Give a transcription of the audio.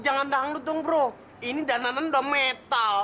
jangan dangdut dong bro ini dananan udah metal